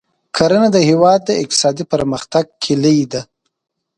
کرنه د هېواد د اقتصادي پرمختګ کلي ده.